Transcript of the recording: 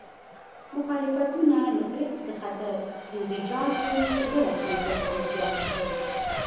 مخالفتونه له کرکې څخه تر انزجار پورې ورسېدل او زیات شول.